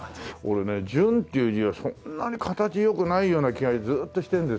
俺ね純っていう字はそんなに形良くないような気がずっとしてるんですよ。